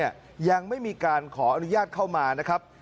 ยังไม่มีการขออนุญาตเข้ามานะครับ